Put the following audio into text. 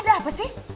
ada apa sih